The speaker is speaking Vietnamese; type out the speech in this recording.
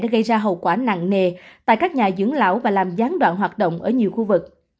gây ra hậu quả nặng nề tại các nhà dưỡng lão và làm gián đoạn hoạt động ở nhiều khu vực